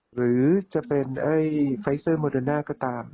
หรือจะเป็นไฟเซอร์โมเดอร์น่าก็ตาม